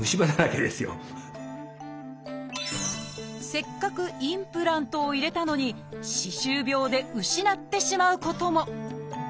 せっかくインプラントを入れたのに歯周病で失ってしまうことも。